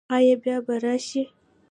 ایا بیا به راشئ؟